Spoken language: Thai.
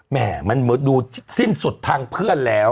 แม่มันดูสิ้นสุดทางเพื่อนแล้ว